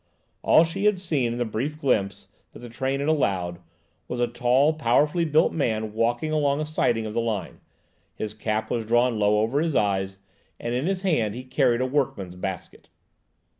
All she had seen in the brief glimpse that the train had allowed, was a tall, powerfully built man walking along a siding of the line. His cap was drawn low over his eyes, and in his hand he carried a workman's basket.